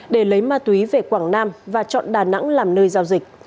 để lấy ma túy về quảng nam và chọn đà nẵng làm nơi giao dịch